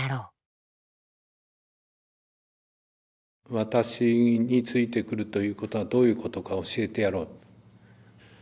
「私についてくるということがどういうことか教えてやろう」と。